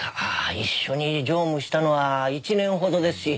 一緒に乗務したのは１年ほどですし。